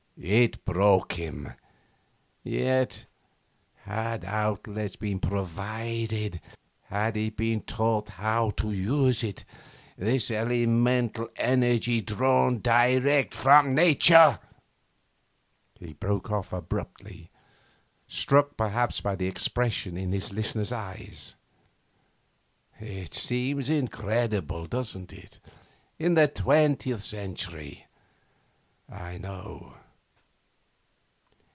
'It broke him. Yet, had outlets been provided, had he been taught how to use it, this elemental energy drawn direct from Nature ' He broke off abruptly, struck perhaps by the expression in his listener's eyes. 'It seems incredible, doesn't it, in the twentieth century? I know.